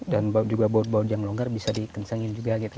dan juga baut baut yang longgar bisa dikensangin juga